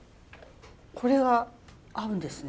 これが合うんですね。